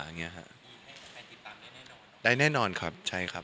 ให้ใครติดตามได้แน่นอนเหรอครับได้แน่นอนครับใช่ครับ